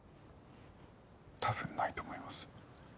多分ないと思います。